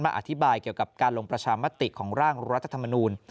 อธิบายเกี่ยวกับการลงประชามติของร่างรัฐธรรมนูล